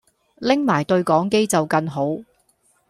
拎埋對講機就更好